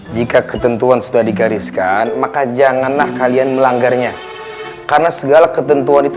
jika ketentuan sudah digariskan maka janganlah kalian melanggarnya karena segala ketentuan itu